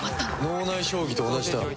脳内将棋と同じだ。